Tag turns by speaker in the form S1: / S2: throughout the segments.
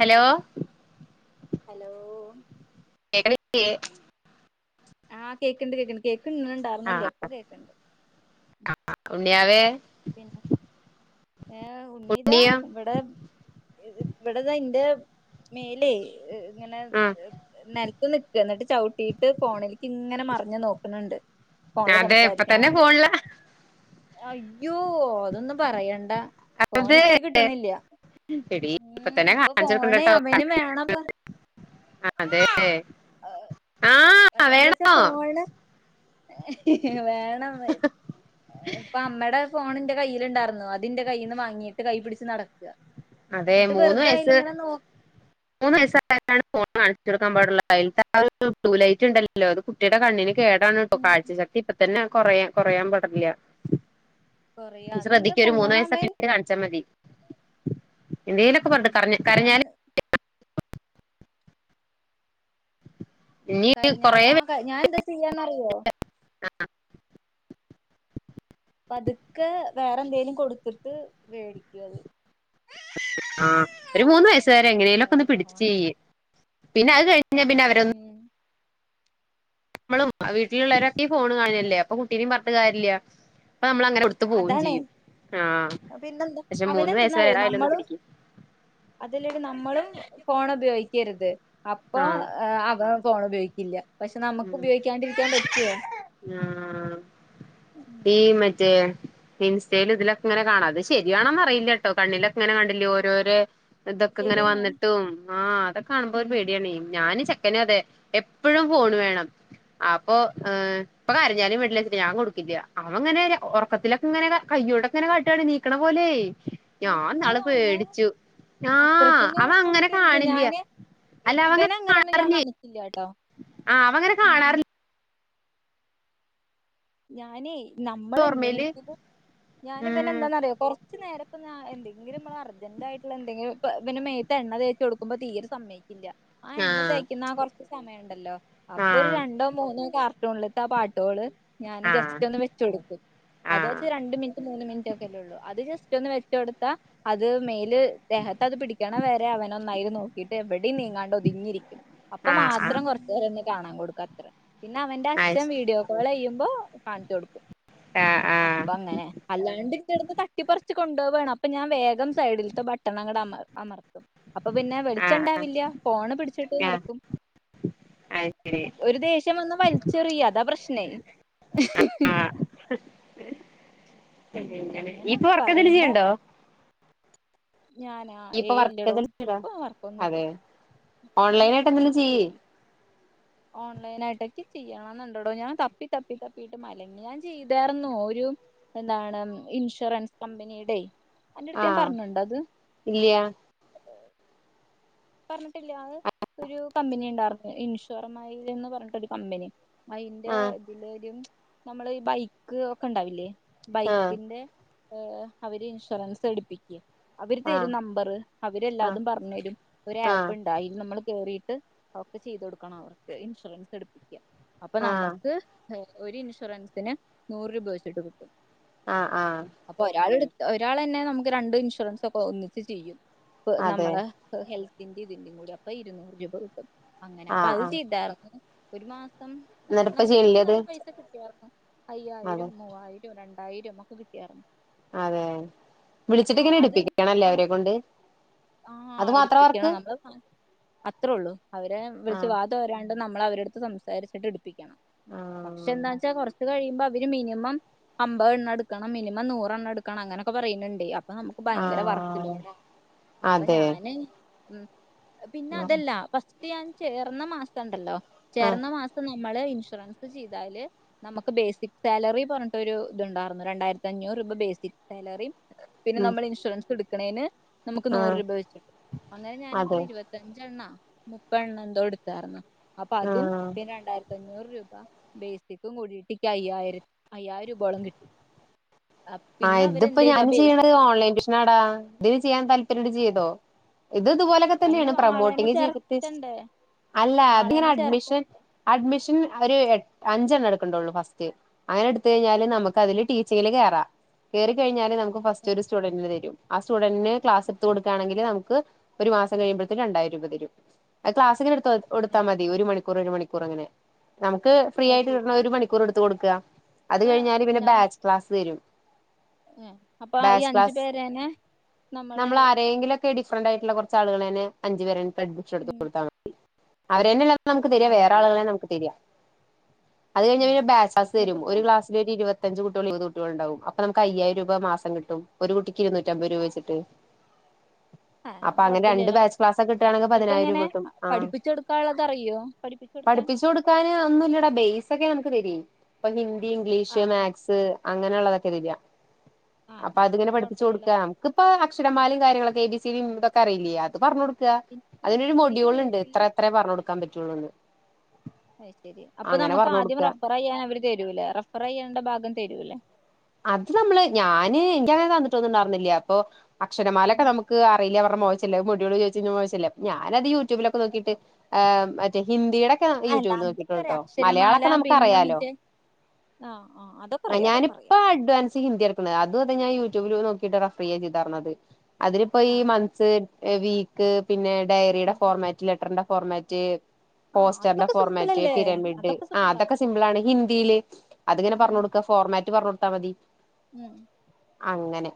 S1: Hello
S2: hello
S1: [unintelligible]
S2: ആഹ് കേക്ക്ണ്ട് കേക്ക്ണ്ട്. കേക്ക്ന്ന്ണ്ടാർന്നില്ല പ്പൊ കേക്ക്ണ്ട്.
S1: ആഹ് ഉണ്ണിയാവേ
S2: പിന്നെ ഏ ഉണ്ണിതാ
S1: ഉണ്ണിയാ
S2: വിടെ ഇവിടെ താ ന്റെ മേലെ ഇങ്ങനെ
S1: ആ
S2: നൽത്ത് നിക്ക ന്നിട്ട് ചവ്ട്ടിയിട്ട് ഫോണിൽ ഇങ്ങനെ മർഞ്ഞു നോക്ക്ണ് ണ്ട് ഫോണ്ല്
S1: അതെ ഇപ്പ
S2: സംസാരിക്കണ
S1: തന്നെ
S2: കണ്ട
S1: ഫോണില
S2: അയ്യോ അതൊന്നും പറയണ്ട.
S1: അതെ
S2: ഫോണിക്ക് കിട്ട്ണില്ല.
S1: എടി ഇപ്പ
S2: ഉം ഇപ്പൊ ഫോണ് അവന് വേണം പ
S1: ആഹ് അതെ ആ
S2: എന്താച്ചാ
S1: വേണോ
S2: ഫോണ് വേണം ഇപ്പൊ അമ്മടെ ഫോണ് ന്റെ കയ്യ്ല്ണ്ടാർന്നു. അതിന്റെ കയ്യിന്ന് വാങ്ങിയിട്ട് കൈപിടിച്ച് നടക്ക
S1: അതെ
S2: ന്നിട്ട്
S1: മൂന്ന്
S2: വെറുതയില്
S1: വയസ്സ്
S2: ഇങ്ങനെ നോ
S1: മൂന്ന് വയസ്സായാലാണ് ഫോൺ കാണിച്ചു കൊടുക്കാൻ പാടുള്ളു. അയിൽത്തെ ആ ഒരു ബ്ലൂ ലൈറ്റ് ഇണ്ടല്ലോ. അത് കുട്ടിയുടെ കണ്ണിന് കേടാണ് ട്ടോ
S2: ഉം
S1: കാഴ്ചശക്തി ഇപ്പൊ തന്നെ കൊറ കൊറയാൻ പടില്ല
S2: കൊറിയ
S1: നീ
S2: അതെന്താ
S1: ശ്രദ്ധിക്ക് ഒരു മൂന്ന് വയസ്സൊക്കെ
S2: പോണവൻ
S1: [unintelligible] കാൺച്ചാ മതി. എന്തേലൊക്കെ
S2: ഉം
S1: പർൻട്ട് കർഞ്ഞ്‌ കരഞ്ഞാല്
S2: അങ്ങനെ
S1: ഇനി
S2: കരഞ്ഞാൽ
S1: കൊറേ വെ-
S2: ആകെ ഞാൻ ന്താ ചെയ്യാന്നറിയോ പതുക്കെ വേറെന്തേലും കൊടുത്തിട്ട് മേടിക്കും അത്
S1: ആഹ് ഒരു മൂന്ന് വയസ്സ് വരെ എങ്ങനേലൊക്കെ ഒന്ന് പിടിച്ചു ചെയ്യ്. പിന്നെ അത് കഴിഞ്ഞ പിന്നെ അവ
S2: ഉം
S1: നമ്മളും വീട്ടിലുള്ളവരൊക്കെ ഈ ഫോണ് കാണല്ലേ. അപ്പൊ കുട്ടീനിം പർഞ്ഞ്‌ട്ട് കാര്യല്ല. പ്പ നമ്മളങ്ങനെ ട്ത്തു പോവും
S2: അതാണേ
S1: ചെയ്യും. ആഹ്
S2: പിന്നെന്താ
S1: പക്ഷെ മൂന്ന് വയസ്സ് വരെ [unintelligible] പിടിക്ക
S2: അതല്ലടി നമ്മളും ഫോൺ ഉപയോഗിക്കരുത്. അപ്പൊ
S1: ആഹ്
S2: അവ ഫോണ് ഉപയോഗിക്കില്ല. പക്ഷെ നമുക്ക്
S1: ഉം
S2: ഉപയോഗിക്കാണ്ടിരിക്കാൻ പറ്റോ?
S1: ആഹ് ഈ മ റ്റെ ഇൻസ്റ്റയിലും ഇതിലൊക്കെ ങ്ങനെ കാണാം. അത് ശരിയാണോന്ന് അറിയില്ലട്ടോ കണ്ണിലക്കെങ്ങനെ കണ്ടില്ലേ ഓരോരോ ഇതൊക്കെ ഇങ്ങനെ
S2: ശരിയെന്നെ
S1: വന്നിട്ടും ആഹ് അതൊക്കെ കാണുമ്പോ ഒരു
S2: ഉം
S1: പേടിയാണെ. ഞാന് ചെക്കന അതെ എപ്പഴും ഫോണ് വേണം. അപ്പൊ ഏ ഇപ്പ കര്ഞ്ഞാലും വേണ്ടില്ല ഞാൻ കൊട്ക്കില്ല. അവങ്ങനെ ഒറക്കത്തില ഇങ്ങനെ കയ്യോണ്ടക്കെങ്ങനെ കാട്ടാണ് നീക്കണ പോലെ ഞാൻ
S2: അയ്യോ
S1: നാള്
S2: അങ്ങനെ
S1: പേടിച്ചു. ആഹ്
S2: അത്രക്കൊന്നും
S1: അവൻ അങ്ങനെ
S2: കൊടുക്കരുത്
S1: കാണില്ല.
S2: ഞാന്
S1: അല്ല [unintelligible]
S2: ഇല്ലാട്ടോ
S1: ആ അവങ്ങനെ കാണാറില്ല
S2: ഞാനേ
S1: ഓർമ്മയില്
S2: നമ്മളെന്തെങ്കിലും ഞാന പിന്നെ
S1: ഉം
S2: എന്താന്നറിയോ കൊറ- ച് നേരെപ്പാ എന്തെില നമ്മൾ അർജന്റായിട്ടുള്ള എന്തെങ്കിലും പിന്നെ മെയ്ത്ത് എണ്ണ തേച്ച് കൊടുക്ക്പോ തീരെ സമ ആ എണ്ണ
S1: ആഹ്
S2: തേക്കുന്ന കൊറച്ച് സമയംണ്ടല്ലോ അപ്പൊ ഒരു
S1: ആഹ്
S2: രണ്ടോ മൂന്നോ കാർ ട്യൂൺത്തെ ആ പാട്ടുകള് ഞാൻ
S1: ആഹ്
S2: ജസ്റ്റ് ഒന്ന് വെ ച് കൊടുക്കും അത്
S1: ആഹ്
S2: വച്ച രണ്ട് മിനിറ്റ് മൂന്ന് മിനിറ്റ് ഒക്കെല്ലേ ഉള്ളൂ അത് ജസ്റ്റ് ഒന്ന് വെച്ച കൊടുത്താ അത് മേൽ ദേഹത്ത് അത് പിടിക്കണ വരെ അവന ഒന്നായിര് നോക്കിട്ട് എവിടെയും നീങ്ങാ ഒതുങ്ങിയിരിക്കും അപ്പൊ
S1: ആഹ് ആഹ്
S2: മാത്രം കൊർച്ചേര ഒന്ന് കാണാൻ കൊടുക്ക അത്ര പിന്നെ അവന്റെ
S1: അയ്ശ്
S2: അച്ഛൻ വീഡിയോ മള ചെയ്യുമ്പോ കാണിച്ച് കൊടുക്കും
S1: ആഹ് ആഹ്
S2: അപ്പൊ അങ്ങനെ അല്ലാണ്ട് ഇടന്ന് തട്ടിപ്പറച്ച് കൊണ്ടോവാണ് അപ്പൊ ഞാൻ വേഗം സൈഡിൽത്തെ ബട്ടണങ്ങട്ട് അമ അമ അപ്പൊ പിന്നെ
S1: ആഹ്
S2: വെളിച്ചണ്ടാവില്ല ഫോണ് പിടിച്ചിട്ട് നടക്കും
S1: അങ്ങനെ
S2: ഒരു ദേഷ്യം വന്ന് വലിച്ചെറിയ അതാ പ്രശ്നേ ഉം,
S1: ഇയ്യ്
S2: അങ്ങനെ
S1: ഇപ്പൊ
S2: ഒന്നും
S1: വർക്കന്തലു
S2: പറയണ്ട
S1: ചെയ്യ്ണ്ടോ
S2: ഞാനാ
S1: ഇയ്യ് ഇപ്പ
S2: ഏയ് ഇല്ലടോ
S1: വർക്കന്തെല്ലോ [unintelligible]
S2: ഇപ്പൊ വർക്കൊന്നുല്ല
S1: അതെ
S2: ഏഹ്
S1: ഓൺലൈൻ ആയിട്ട് എന്തെല്ലും ചെയ്യ്
S2: ഓൺലൈന ആയിട്ടൊക്കെ ചെയ്യണം എന്നുണ്ടടോ ഞാൻ തപ്പി തപ്പി തപ്പിട്ട് മലങ്കി ഞാൻ ചെയ്തായിരുന്നു ഒരു എന്താണ് ഇൻഷുറൻസ് കമ്പനിയുടെ അന്റെ അടുത്ത് ഞാൻ പർഞ്ഞുണ്ട അത്
S1: ഇല്ല്യാ
S2: പർഞ്ഞിട്ടില്ല അത് ഒരു കമ്പനി ഉണ്ടായിരുന്നു ഇൻഷുവറമായി എന്ന് പറഞ്ഞിട്ടൊരു കമ്പനി അയിന്റെ
S1: ആഹ്
S2: ഇതിലരും നമ്മള് ബൈക്ക് ഒക്കെ ഇണ്ടാവില്ലേ
S1: ആഹ്
S2: ബൈക്കിന്റെ ഏ അവര് ഇൻഷുറൻസ് എടുപ്പിക്ക അവർ
S1: ആഹ്
S2: തരും നമ്പറ് അവര്ല്ലാതും പറഞ്ഞു തരും ഒരു
S1: ആഹ്
S2: ആപ്പ്
S1: ആഹ്
S2: ഉണ്ട് എതായിൽ നമ്മൾ കേറീട്ട് അവക്കെ ചെയ്ത കൊടുക്കണം അവർക്ക് ഇൻഷുറൻസ് എടുപ്പിക്ക അപ്പൊ
S1: ആഹ്
S2: നമ്മക്ക് ഒരു ഇൻഷുറൻസിന് നൂറ് രൂപ വെച്ചിട്ട് കിട്ടും
S1: ആഹ് ആഹ്
S2: അപ്പൊ ഒരാൾ ഒരാൾ തന്നെ നമുക്ക് രണ്ട് ഇൻഷുറൻസ് ഒക്കെ ഒന്നിച്ച് ചെയ്യും ഇപ്പൊ
S1: അതെ
S2: നമ്മള് ഹെൽത്തിന്റെ ഇതിന്റെയും കൂടി അപ്പൊ ഇരുുന്നൂറ് രൂപ കിട്ടും അങ്ങനെ അപ്പൊ
S1: ആഹ്
S2: അത്
S1: ആഹ്
S2: ചെയ്താർന്നു ഒരു മാസം
S1: എന്നിട്ട്പ്പ
S2: നല്ല
S1: ചെയ്യ്ണില്ലെ
S2: അത്യാവശ്യം
S1: അത്
S2: നല്ല പൈസ കിട്ടിയാർന്നു
S1: അതെ
S2: അയ്യായിരം മൂവായിരം രണ്ടായിരം ഒക്കെ കിട്ടിയാർന്നു
S1: അതെ വിളിച്ചിട്ട് ഇങ്ങനെ എടുപ്പിക്കണല്ലേ അവരെ കൊണ്ട്
S2: ആഹ്
S1: അത് മാത്രാ വർക്ക്
S2: എടിപ്പിക്കണം നമ്മള് അത്രേ ഉള്ളൂ അവരെ വിളിച്ച
S1: ആഹ്
S2: വ രാണ്ട് നമ്മൾ അവര അടുത്ത് സംസാരിച്ചിട്ട് എടുപ്പിക്കണം
S1: ആഹ്
S2: പക്ഷെ എന്താന്ന് വെച്ചാ കുറച്ച് കഴിയുമ്പോ അവര് മിനിമം അമ്പത എണ്ണ എടുക്കണം മിനിമം നൂറ എണ്ണം എടുക്കണം അങ്ങനൊക്കെ പറയ്ണ്ണ്ടയ് അപ്പൊ നമു ഭയങ്കര
S1: ആഹ്
S2: വർക്ക്ല്ലോടാ അപ്പൊ
S1: അതെ
S2: ഞാന് ഉം പിന്നെ അതല്ല ഫസ്റ്റ് ഞാൻ ചേർന്ന മാസണ്ടല്ലോ
S1: ആഹ്
S2: ചേർന്ന മാസ ഇപ്പൊ നമ്മള് ഇൻഷുറൻസ് ചെയ്താല് നമുക്ക് ബേസിക് സാലറി പറഞ്ഞിട്ട് ഒരു ഇത്ണ്ടായിരുന്നു രണ്ടായിരത്തി അഞ്ഞൂറ് രൂപ ബേസിക് സാലറി പിന്നെ
S1: ഉം
S2: നമ്മൾ ഇൻഷുറൻസ് എടുക്കണേന് നമുക്ക് നൂറ്
S1: ആഹ്
S2: രൂപ വെച്ചും അങ്ങനെ ഞാനത്ര
S1: അതെ
S2: ഇരുപത്തഞ്ചെണ്ണാ മുപ്പെണ്ണം എന്തോ എടുത്താര്ന്ന അപ്പൊ അതും
S1: ആഹ്
S2: പിന്നെ രണ്ടായി ത്തഞ്ഞൂറ് രൂപ ബേസിക്കും കൂടിട്ട് ഇക്ക് അയ്യായിര അയ്യായിരം രൂപയോളം കിട്ടി അ-
S1: ആഹ്
S2: പിന്നെ
S1: ഇതിപ്പോ
S2: അവരെന്ത് ചെയ്തു ആ
S1: ഞാന് ചെയ്യ്ണത്
S2: ബേസിക്
S1: ഓൺലൈൻ ബി നാടാ ഇതിന് ചെയ്യാൻ താല്പര്യണ്ടെ ചെയ്തോ ഇത് ഇത്പോലെ
S2: അയിന്
S1: ത്തെന്നേണ്
S2: ആളെന്നെ
S1: പ്രമോട്ടിങ് ചെയ്തിട്ട്
S2: ചേർത്തണ്ടേ
S1: അല്ല അത് ഇങ്ങനെ
S2: ആളെന്നെ ചേർക്ക
S1: അഡ്മിഷൻ അഡ്മിഷൻ ഒരു എ അഞ്ചെണ്ണം എടുക്കണ്ടൊള്ളൂ ഫസ്റ്റ് അങ്ങനെ എടുത്ത് കഴിഞ്ഞാല് നമുക്ക് അതില് ടീച്ചിങ്ല് കേറ കേറി കഴിഞ്ഞാല് നമുക്ക് ഫസ്റ്റ്
S2: ഏ
S1: ഒരു സ്റ്റുഡന്റ് ന്റിന്റെ തെരും ആ സ്റ്റുഡന്റി ക്ലാസ് എടുത്ത് കൊടുക്കാണെങ്കില് നമുക്ക് ഒരു മാസം കഴിയുമ്പോയ്ത്തിന് രണ്ടായിരം രൂപ തെരും അത് ക്ലാസ്ങ്ങനെ ഇടുതൊ ഒടുത്താ
S2: ഏഹ്
S1: മതി ഒരു മണിക്കൂർ ഒര് മണിക്കൂർ ഇങ്ങനെ നമുക്ക് ഫ്രീ
S2: അത്
S1: ആയിട്ട്
S2: ശരി
S1: കിട്ട്ണ ഒരു മണിക്കൂർ ഇട്ത്ത് കൊട്ക്ക അത്
S2: അപ്പൊ
S1: കഴിഞ്ഞാല് പിന്നെ
S2: എന്താ
S1: ബാച്ച് ക്ലാസ്സ് തരും
S2: ഏഹ് അപ്പൊ ഈ
S1: ബാച്ച്
S2: അഞ്ചു
S1: ക്ലാസ്
S2: പേരേനെ നമ്മള്
S1: ക്കെ ഡിഫറന്റ് ആയിട്ട്ള്ള കൊർച്ച് ആളുകെളെനെ അഞ്ചുപെരേനെ പഠിപ്പിച്ചു
S2: ഉം
S1: കൊടുത്താ മതി അവരെന്നെ നമുക്ക് തെരിയ
S2: അത്
S1: വേറെ
S2: മതില്ലേ
S1: ആളുകളെ നമുക്ക് തെര് അ അത് കഴിഞ്ഞാ പിന്നെ ബാച്ച്ക്ലാസ്റ്റ് തെരും,
S2: എന്നിട്ടിപ്പോ
S1: ഒരു ക്ലാസില് ഒര് ഇരുവത്തഞ്ച് കുട്ടികളൊ ഇരുപത് കുട്ടികളൊ ഇണ്ടാവും. അപ്പ നമുക്ക് അയ്യായിരം രൂപ മാസം കിട്ടും. ഒരു കുട്ടിക്ക് ഇരുന്നൂറ്റി അമ്പത് രൂപ വെച്ചിട്ട്.
S2: ആഹ് അപ്പൊ
S1: അങ്ങനെ രണ്ട്
S2: കൊഴപ്പില്ലല്ലോ.
S1: ബാച്ച് ക്ലാസ് ഒക്കെ കിട്ടുകയാണെങ്കിൽ
S2: ഇന്നട്ട്
S1: പതിനായിരം
S2: എങ്ങനെ
S1: രൂപ കിട്ടും ആ
S2: പഠിപ്പിച്ചു കൊടുക്കാള്ളത് അറിയോ?. പഠിപ്പിച്ചു കൊടുക്കാൻ.
S1: പ്പങ്ങനെ ഒന്നുല്ലടാ ബെയ്സ് ഒക്കെ നമുക്ക് തെരെയ്. ഇപ്പൊ ഹിന്ദി,
S2: ആ
S1: ഇംഗ്ലീഷ്,
S2: ആ
S1: മാക്സ് അങ്ങനെള്ളതൊക്കെ വരാ
S2: ആ
S1: അപ്പൊ
S2: ഏഹ്
S1: അത്ങ്ങനെ
S2: അത്
S1: പഠിപ്പിച്ചു കൊടുക്ക
S2: കൊഴപ്പില്ലല്ലോ
S1: അമ്ക്ക്പ്പൊ അക്ഷരമാലിം കാര്യങ്ങളൊക്കെ എ ബി സി സി ടിം ഇതൊക്കെ അറിയില്ലേ? അത് പറഞ്ഞ് കൊടുക്ക
S2: എനിക്ക്
S1: അതിനൊരു
S2: എനിക്ക്
S1: മൊഡ്യൂള് ഇണ്ട് ഇത്ര
S2: വീട്ടില്
S1: ഇത്രേ പറഞ്ഞൊട്ക്കാൻ പറ്റൊള്ളൂന്ന്.
S2: അയ് സെരി, അപ്പൊ നമുക്ക്
S1: പറഞ്ഞു
S2: ആദ്യം
S1: കൊടുക്കുക
S2: റഫർ ചെയ്യാൻ അവര് തെരൂലേ, റഫർ ചെയ്യേണ്ട ഭാഗം തെരൂല്ലേ?.
S1: അത് നമ്മള് ഞാന് ഇന്റ അങ്ങനെ തന്നിട്ടൊന്നുണ്ടാറ്ന്നില്ല. ഇപ്പൊ അക്ഷരമാലൊക്കെ
S2: ഉം.
S1: നമു ക്ക് അറീല്ല പറഞ്ഞാ മോശല്ലേ?. മോഡ്യൂള് ചോദിച്ച് കഴിഞ്ഞ മോശല്ലേ ഞാനത് യൂട്യൂബിലൊക്കെ നോക്കിട്ട് മറ്റേ ഹിന്ദിടെക്കെ
S2: അല്ല
S1: യൂട്യൂബില്
S2: അതൊക്കെ അറിയാം
S1: നോക്കിറ്റൊള്ളുട്ടോ,
S2: അക്ഷരമാല
S1: മലയാളൊക്കെ നമുക്കറിയാലോ?.
S2: ആഹ് ആഹ് അതൊക്കെ അറിയാം അതൊക്കെ അറയാം
S1: അഡ്വാൻസ് ഹിന്ദി ഇട്ക്ക്ണത്. അതുംഇതും ഞാൻ യൂട്യൂബില് നോക്കീട്ട് റഫർ ചെയ്ത പറഞ്ഞത് അതിനിപ്പോ ഈ
S2: ആ
S1: മന്ത് - ന്ത്സ്, വീക്ക് പിന്നെ ഡയറീടെ
S2: ഉം.
S1: ഫോർമാറ്റ്, ലെറ്ററിന്റെ ഫോർമാറ്റ്
S2: ആ
S1: പോസ്റ്റർന്റെ
S2: അതൊക്കെ
S1: ഫോർമാറ്റ്,
S2: സിമ്പിളല്ലേ
S1: പിരമിഡ്, ആ
S2: സിമ്പിളാ
S1: അതൊക്കെ സിമ്പിൾ ആണ്. ഹിന്ദീല് അത്ങ്ങനെ പറഞ്ഞ്
S2: ഉം
S1: കൊടുക്ക ഫോർമാറ്റ് പറഞ്ഞ് കൊടുത്താ മതി.
S2: ഉം
S1: അങ്ങനെ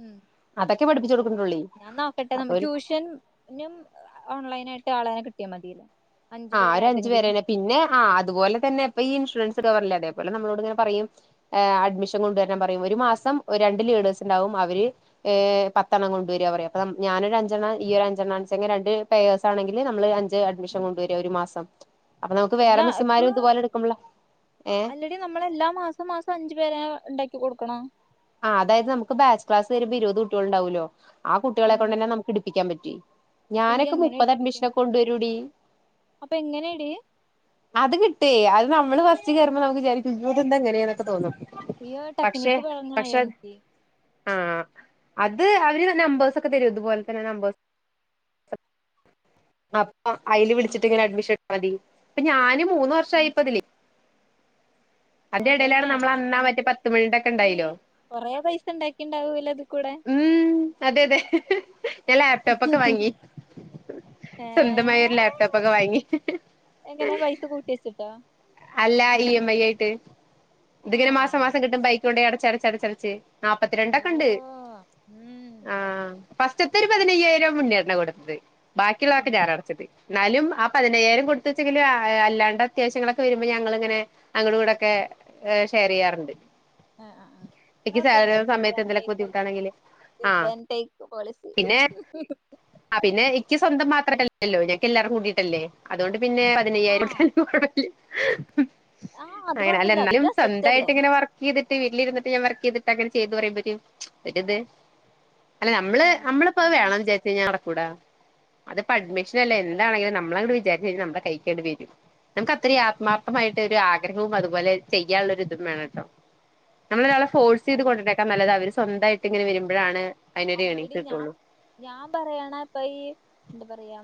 S2: ഉം
S1: അതൊക്കെ
S2: അത്
S1: പഠിപ്പിച്ചു
S2: ശരി,
S1: കൊടുക്കണ്ടുള്ളേ
S2: ഞാൻ നോക്കട്ടെ
S1: അപ്പൊ
S2: നമ്മ
S1: ഒരു
S2: ട്യൂഷൻ നും ഓൺലൈൻ ആയിട്ട് ആള് കളെ കിട്ടിയാ മതിയല്ലോ?. അഞ്ചു
S1: ആ
S2: പേരെ
S1: ഒര അഞ്ചു
S2: ഏതെങ്കിലും
S1: പേരെനെ പിന്നെ ആ അതുപോലെ തന്നെ ഇപ്പ ഈ ഇൻഷുറൻസ് കവറ്ല്ലേ അതേ പോലെ നമ്മളോട് ഇങ്ങനെ പറയും അഡ്മിഷ ൻ കൊണ്ടുവരാൻ പറയും ഒരു മാസം ഒര് രണ്ട് ലീഡേഴ്സ് ഇണ്ടാവും അവര് ഏ പത്തെണ്ണം കൊണ്ടുവര പറയാ അപ്പം ഞാനൊരു അഞ്ചെണ്ണം ഈയൊര് അഞ്ചെണ്ണാണെച്ചെങ്കി രണ്ട് പേഴ്സ് ആണെങ്കില് നമ്മള് അഡ്മിഷൻ കൊണ്ടുവര ഒരു മാസം, അപ്പൊ നമുക്ക് വേറെ
S2: എല്ലാ
S1: മിസ്സുമാരും ഇതുപോലെ ഇടുക്കബള് ഏ
S2: നമ്മള് എല്ലാ മാസം മാസം അഞ്ചു പേരെ ഇണ്ടാക്കി കൊടുക്കണൊ?
S1: ആഹ് അതായത് നമുക്ക് ബാച്ച് ക്ലാസ് വരുമ്പോ ഇരുപത് കുട്ടിയാളുണ്ടാവുല്ലോ ആ കുട്ടികളെ
S2: ഉം
S1: കൊണ്ട് തന്നെ നമുക്ക് ഇടിപ്പിക്കാൻ പറ്റുവേ
S2: അപ്പൊ ഈ
S1: ഞാനൊക്കെ
S2: എങ്ങനെ
S1: മുപ്പത്
S2: എടുപ്പിക്കണ്
S1: അഡ്മിഷനൊക്കെ കൊണ്ടു വരൂടി.
S2: അപ്പൊ എങ്ങനെയടി
S1: അത് കിട്ടേ അത് നമ്മള് ഫസ്റ്റ് കേറൂമ്പോ വിചാരിക്കു ഇമ്മേ ഇന്തെന്ത ഇങ്ങനേന്നൊക്കെ തോന്നും.
S2: യ്യ്
S1: പക്ഷെ
S2: ടെക്നിക്ക് വേ
S1: പക്ഷെ ആ അത് അവര് നമ്പേസ് ഒക്കെ തെരും, ഇതുപോലെ തന്നെ നമ്പേസ് [unintelligible] അപ്പൊ അയില്
S2: ഉം
S1: വിളിച്ചിട്ട് ഇങ്ങനെ അഡ്മിഷൻ എടുത്താ മതി പ്പൊ ഞാന് മൂന്ന് വർഷായി
S2: ഉം
S1: പ്പതില്. അതിന്റെ എടേലാണ്
S2: അതെല്ലേ
S1: നമ്മള്
S2: അപ്പൊ
S1: അന്നാ മറ്റേ
S2: അനക്ക്
S1: പത്ത് മണി ടെ ക്കെ
S2: ഈ
S1: ണ്ടായിലോ?.
S2: കൊറേ പൈസ ഉണ്ടാക്കി ഉണ്ടാവൂലോ ഇത്.
S1: ഉം അതെ അതെ ഞാൻ ലാപ്ടൊപ്പൊക്കെ വാങ്ങി.
S2: ഏ
S1: സ്വന്തമായൊരു ലാപ്ടോപ്പൊക്കെ വാങ്ങി.
S2: ദാ
S1: അല്ല ഇ എം ഐ ആയിട്ട്,
S2: ആ
S1: ഇതിങ്ങനെ മാസം മാസം കിട്ടും പൈ
S2: ശരി
S1: കൊണ്ട് അടച്ചടച്ച ടച്ചടച്ച്
S2: ഓ
S1: നാപ്പത്തിരണ്ടൊക്കണ്ട്.
S2: ഉം
S1: ആ ഫസ്റ്റിത്തെ ഒരു പതിനയ്യായിരം മുന്നേന്നെ കൊടുത്ത്
S2: ഉം
S1: ബാക്കിയുള്ളതൊക്കെ ഞാൻ അടച്ചത് ന്നാലും ആ പതിനയ്യായിരം കൊടുത്തൂച്ചെങ്കിലും അല്ലാണ്ട് അത്യാവശ്യങ്ങളൊ ക്കൊ വരുമ്പോ ഞങ്ങളിങ്ങിനെ അങ്ങുടു ങ്ങുടൊക്കെ ഷെയറിയ്യാറുണ്ട്.
S2: ആ ആ ആ ങ്ങളപ്പോ ഇല്ലെ ലബീബാ
S1: സമയത്ത് എന്തെലൊക്കെ
S2: ഫൈസല്
S1: ബുദ്ധിമുട്ടാണെങ്കില്
S2: the
S1: ah
S2: Ben take policy
S1: ആ പിന്നെ ഇക്ക് സ്വന്തം മാത്രട്ടല്ലല്ലോ ഞങ്ങ്ക്ക് എല്ലാരും കൂടിട്ടല്ലേ, അതുകൊണ്ട് പിന്നെ വ പതിനയ്യായിരം
S2: ആഹ് ആഹ് അത് കൊഴപ്പില്ല
S1: അങ്ങനല്ലന്നാലും
S2: അതൊരു അസറ്റല്ലേ
S1: സ്വന്തായിട്ടിങ്ങനെ വർ ക്കീതിട്ട് വീട്ടിൽ ഇരിന്നിട്ട് ഞാൻ വർക്കീതിട്ടങ്ങനെ ചെയ്ത് പറയുമ്പോ ഒരു ഒരിത്. അല്ല നമ്മള്
S2: ആഹ്
S1: നമ്മളിപ്പോ
S2: അല്ല
S1: വേണംന്ന് വിചാരിച്ച കഴിഞ്ഞാ നടകൂടാ അതിപ്പോ അഡ്മിഷൻ അല്ല
S2: അതെ
S1: എന്താണെങ്കിലും. നമ് നമ്മളങ്ങ്ട്ട് വിചാരിച്ച് കയ്ഞ്ഞ നമ്മള് കയ്ക്കണ്ട് വരും നമുക്ക് അത്തരീ ആത്മാർത്ഥമായിട്ട് ഒരു ആഗ്രഹവും അതുപോലെ ചെയ്യാനുള്ളൊരിതും വേണട്ടോ നമ്മള് ഒരാളെ ഫോഴ്സീത്
S2: അത്
S1: കൊണ്ടൊ ര്നേക്കാൾ നല്ലത് അവര് സ്വന്തായിട്ട് ഇങ്ങനെ വരുമ്പഴാണ് അതിനൊരു
S2: അങ്ങിട്
S1: ഏണിങ്സ്
S2: ഞാൻ
S1: കിട്ടുള്ളൂ.
S2: ഞാൻ പറയാണെ ഇപ്പൊ ഈ എന്ത പറയാ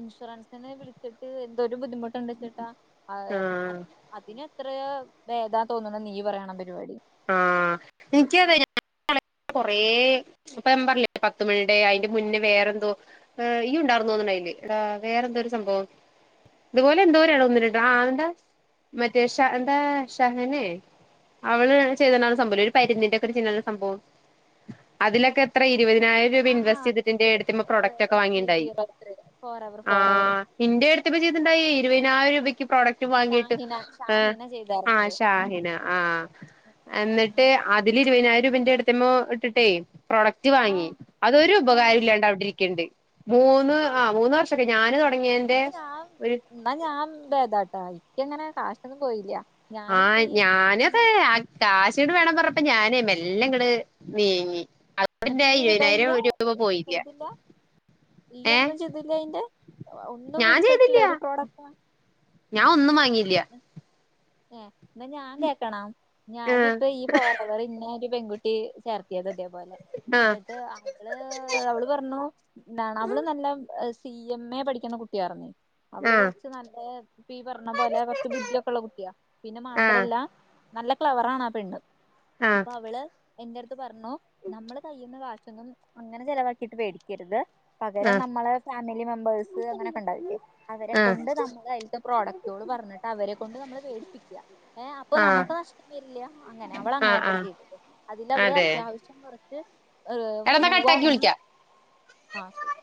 S2: ഇൻഷുറൻസിന് വിളിച്ചിട്ട് എന്തോരു ബുദ്ധിമു ട്ട് ണ്ട്ച്ച്ട്ടാ ഏ
S1: ആഹ്
S2: അത് അതിന് എത്രയോ ഭേദാ തോന്നുണു നീ പറയണ പരിപാടി
S1: ആ എനിക്കുംഅതേ കൊറേ അപ്പൊ ഞാ പറഞ്ഞില്ലേ പത്തുമണിടെ അയിന്റെ മുന്നേ വേറെന്തോ ഏ ഇയ്യും ഉണ്ടാർന്നു തോന്നുണു അയില് എടാ വേറെന്തൊരു സംഭവം ഇതുപോലെ എന്തോരെയണോ ഒന്നിലുണ്ട് ആ എന്താ മറ്റേ ഷ എന്താ ഷഹനെ അവള് ചെയ്യ്ത്ണ സംഭവല്ലെ ഒരു പരിന്തിന്റെക്കെ ചിഹ്നള്ളൊരു സംഭവം അതിലൊക്കെ എത്ര ഇരുപതിനായിരം രൂപ ഇൻവെസ്റ്റ്
S2: ആഹ്
S1: ചെയ്തിട്ട് എന്റെ ഏടത്തിയമ്മ പ്രൊഡക്റ്റ് ഒക്കെ
S2: എഫ് പി
S1: വാങ്ങിണ്ടായി
S2: സീറോ ഫോർ അവർ
S1: ആ
S2: ഫോർ അവർ
S1: ഇന്റെ ഏട്ത്തിയമ്മ ചെയ്തിണ്ടായി ഇരുതിനായിരം രൂപക്ക് പ്രോഡക് റ്റു വാങ്ങിട്ട്
S2: ഷാഹിന
S1: ആ
S2: ഷാഹിന
S1: ആ
S2: ചെയ്തായിരുന്നത്
S1: ഷാഹിന ആ എന്നിട്ട്
S2: ആഹ്
S1: അതില് ഇരുപതിനായിരം രൂപ എന്റെ ഏട്ത്തിയമ്മ ഇട്ടിട്ടേ പ്രൊഡ ക്റ്റ് വാങ്ങി
S2: ആഹ്
S1: അതൊരു ഉപകാരം
S2: ആഹ്
S1: ഇല്ലാണ്ട് അവിടെ ഇരിക്ക്ണ്ട് മൂന്ന് ആ മൂന്ന് വർഷൊക്കെ ആയി ഞാന് തൊ
S2: ഇന്ന ഞാൻ ഇന്നാ ഞാൻ ഭേദാട്ടാ ഇക്കങ്ങനെ കാശൊന്നും പോയില്ല
S1: ആ
S2: ഞാനിപ്പ ഈ
S1: ഞാനൊക്കെ
S2: ഇന്ന്
S1: അ കാശീണ്ട് വേണം പറഞ്ഞപ്പൊ ഞാന് മെല്ലെ ഇങ്ങട് നീങ്ങി അ
S2: എന്നിട്ട്
S1: അപ്പൊന്റെ
S2: ഈ ഇതായില്ല
S1: ഇരുപതിനായിരം രൂപ അപ്പൊ പോയില്ല ഏഹ്
S2: ഈയ്യൊന്നും ചീതിട്ടില്ല അയിന്റെ ഒന്നും
S1: ഞാൻ
S2: മേടിച്ചിട്ടില്ല
S1: ചെയ്തില്ല
S2: ഒരു പ്രോഡക്റ്റ്
S1: ഞാൻ ഒന്നും വാങ്ങിട്ടില്ല
S2: ഏ ന്നാ ഞാൻ കേക്കണോ
S1: ആഹ്
S2: ഞാനിപ്പം ഈ ഫോറവറിന്നെ ഒരു പെൺകുട്ടി ചേർത്തിയത് ഇതേപോലെ
S1: ആഹ്
S2: ന്നി ട്ട് അവള് അവള് പറഞ്ഞു എന്താണ് അവള് നല്ല സി എം എ പഠിക്ക്‌ണ കുട്ടിയാർന്നു അവള്
S1: ആഹ്
S2: കൊറച്ച് നല്ല ഇപ്പൊ ഈപറഞ്ഞ പോലെ കുറച്ച് ബുദ്ധിയക്കെുള്ള കുട്ടിയാ പിന്നെ
S1: ആഹ്
S2: മാത്രല്ല നല്ല ക്ലവറ് ആണ് ആ പെണ്ണ്
S1: ആഹ്
S2: അപ്പൊ അവള് എന്റെ അടുത്ത് പറഞ്ഞു നമ്മള് കയ്യിന്ന് കാശൊന്നും അങ്ങനെ ചെലവാക്കിട്ട് വേടിക്കരുത് പകരം നമ്മളെ ഫാമിലി മെമ്പേഴ്സ് അങ്ങനെയൊക്കെ ഉണ്ടാകില്ലേ അവരെ
S1: ആഹ് ആഹ്
S2: കൊണ്ട് നമ്മള് അയില്ത്തെ പ്രോഡക്റ്റുകൾ പറഞ്ഞിട്ട് അവരെ കൊണ്ട് നമ്മള് വേടിപ്പിക്കുക ഏ അപ്പൊ
S1: ആഹ്
S2: നമ്മുക്ക് നഷ്ടം വരില്ല അങ്ങനെ അവള് അങ്ങനെ
S1: ആഹ്
S2: ത്തരെ
S1: ആഹ്
S2: ചെയ്തത് അതില് അവള്
S1: അതെ
S2: അത്യാവിശ്യം കൊറച്ച്
S1: എടന്നാ കട്ടാക്കി
S2: മൂവാകണം
S1: വിളിക്കാം
S2: ആഹ് ശരി